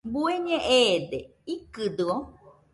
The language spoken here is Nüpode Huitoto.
¿Bueñe eede?, ¿ikɨdɨo?